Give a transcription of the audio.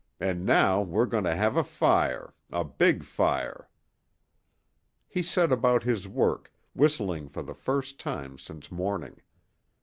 And now we're going to have a fire a big fire." He set about his work, whistling for the first time since morning.